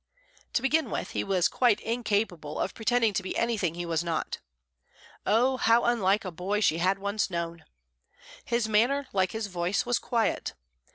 To begin with, he was quite incapable of pretending to be anything he was not. Oh, how unlike a boy she had once known! His manner, like his voice, was quiet.